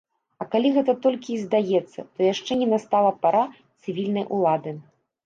А калі гэта толькі і здаецца, то яшчэ не настала пара цывільнай улады.